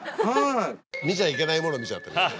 見ちゃいけないもの見ちゃった。